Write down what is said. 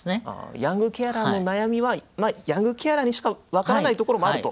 ヤングケアラーの悩みはヤングケアラーにしか分からないところもあると。